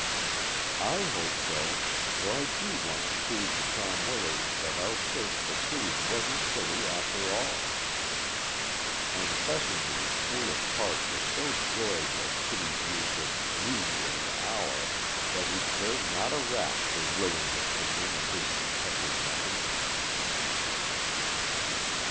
"I hope so,—for I do want to prove to Tom Willard that our search for clues wasn't silly, after all." And Fessenden's foolish heart was so joyed at Kitty's use of "we" and "our" that he cared not a rap for Willard's opinion of his detective methods.